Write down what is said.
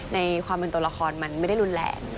ในความเป็นตัวละครมันไม่ได้รุนแรง